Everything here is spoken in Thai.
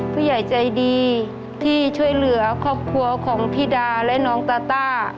ผู้ใหญ่ใจดีที่ช่วยเหลือครอบครัวของพี่ดาและน้องตาต้า